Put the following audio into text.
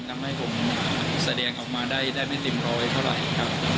ทำให้ผมแสดงออกมาได้ไม่เต็มร้อยเท่าไหร่ครับ